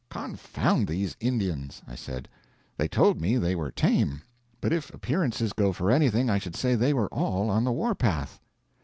"Confound these Indians!" I said. "They told me they were tame; but, if appearances go for anything, I should say they were all on the warpath."